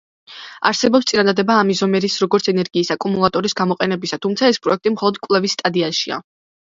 არსებობს წინადადება ამ იზომერის როგორც ენერგიის აკუმულატორის გამოყენებისა, თუმცა ეს პროექტი მხოლოდ კვლევის სტადიაშია.